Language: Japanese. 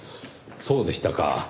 そうでしたか。